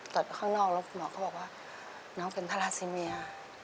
ไปข้างนอกแล้วคุณหมอก็บอกว่าน้องเป็นทาราซิเมีย